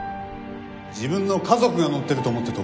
自分の家族が乗ってると思って飛べ。